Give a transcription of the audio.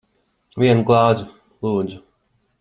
Vienu glāzi. Lūdzu.